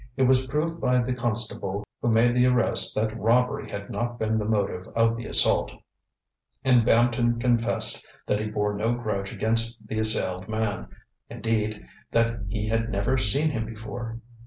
It was proved by the constable who made the arrest that robbery had not been the motive of the assault, and Bampton confessed that he bore no grudge against the assailed man, indeed, that he had never seen him before.